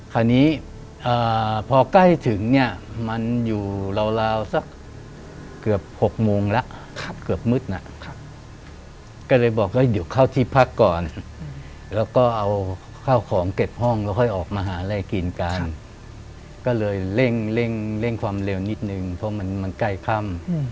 ขอฟังเรื่องราวของเขาหน่อยได้ไหม